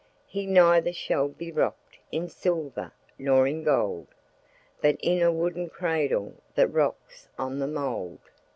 "He neither shall be rocked In silver nor in gold, But in a wooden manger That resteth in the mould."